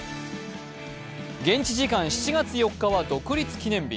現地時間７月４日は独立記念日。